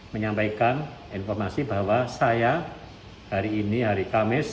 menyampaikan informasi bahwa saya hari ini hari kamis